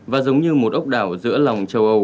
và giống như một ốc đảo giữa lòng châu âu của nga